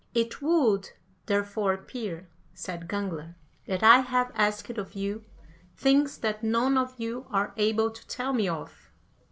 "It would, therefore, appear," said Gangler, "that I have asked of you things that none of you are able to tell me of."